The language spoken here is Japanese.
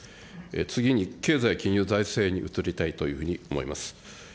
次に経済金融財政に移りたいというふうに思います。